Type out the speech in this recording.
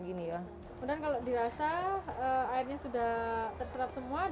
kemudian kalau dirasa airnya sudah terserap semua